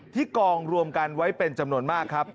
กองรวมกันไว้เป็นจำนวนมากครับ